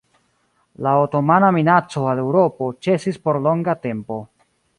La otomana minaco al Eŭropo ĉesis por longa tempo.